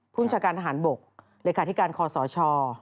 ผู้บัญชาการทหารบกรายการที่การคอลสอชอ